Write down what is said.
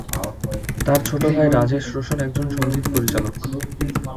তার ছোট ভাই রাজেশ রোশন একজন সঙ্গীত পরিচালক।